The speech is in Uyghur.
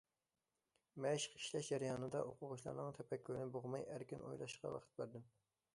مەشىق ئىشلەش جەريانىدا ئوقۇغۇچىلارنىڭ تەپەككۇرىنى بوغماي، ئەركىن ئويلاشقا ۋاقىت بەردىم.